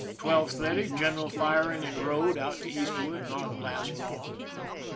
12 : 30, general firing in road out to eastward— not last long.